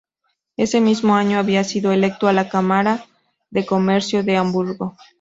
Ese mismo año había sido electo a la Cámara de Comercio de Hamburgo.